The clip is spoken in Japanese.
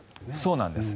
そうなんです。